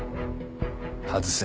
外せ。